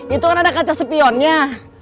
itu kan ada kaca sepionnya